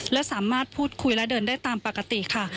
และสามารถพูดคุยและเดินได้ตามปกติค่ะ